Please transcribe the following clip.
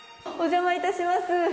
お邪魔いたします。